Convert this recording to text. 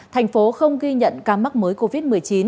thành phố không ghi nhận ca mắc mới covid một mươi chín